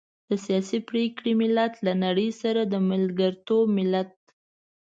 د سياسي پرېکړې ملت، له نړۍ سره د ملګرتوب ملت.